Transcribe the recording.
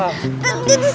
jangan asal pencet